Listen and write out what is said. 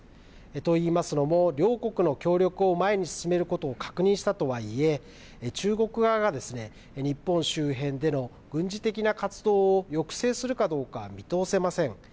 といいますのも、両国の協力を前に進めることを確認したとはいえ、中国側が日本周辺での軍事的な活動を抑制するかどうか見通せません。